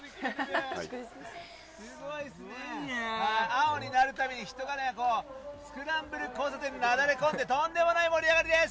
青になるたびに人がスクランブル交差点になだれ込んでとんでもない盛り上がりです。